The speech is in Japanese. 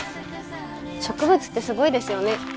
植物ってすごいですよね。